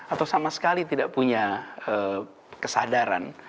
atau sama sekali tidak punya kesadaran